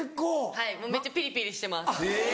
はいめっちゃピリピリしてます。